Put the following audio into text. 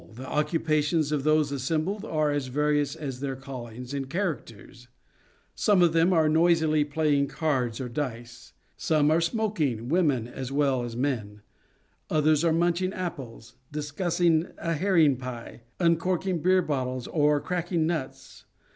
The occupations of those assembled are as various as their callings and characters. Some are noisily playing cards or dice ; some are smoking women as well as men ; others are munching apples, discussing a herring 1 8 SHAKESPEAREAN THEATRES pie, uncorking beer bottles, or cracking nuts.